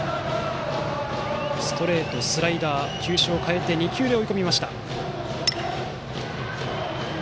ストレート、スライダーと球種を変えて２球で追い込みました。